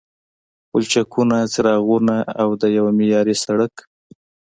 پلچکونو، څراغونو او د یوه معیاري سړک